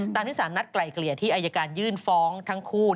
ที่สารนัดไกลเกลี่ยที่อายการยื่นฟ้องทั้งคู่